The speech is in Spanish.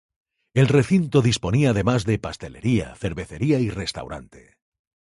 El recinto disponía además de pastelería, cervecería y restaurante.